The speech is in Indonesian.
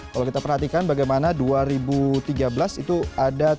kalau kita perhatikan bagaimana dua ribu tiga belas itu ada tiga puluh enam dua puluh dua juta unit